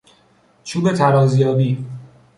چوب ترازیابی